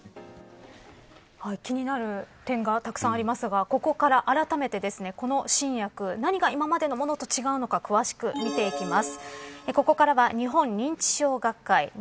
気になる点がたくさんありますがここから、あらためてこの新薬何が今までのものと違うのか詳しく見ていきます。